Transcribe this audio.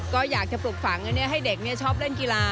ก็อยากจะปลูกฝังเนี่ยให้เด็กเนี่ยชอบเล่นกีฬา